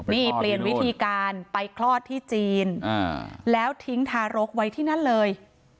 นี่เปลี่ยนวิธีการไปคลอดที่จีนแล้วทิ้งทารกไว้ที่นั่นเลย